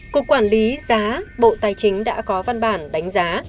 cục quản lý giá bộ tài chính đã có văn bản đánh giá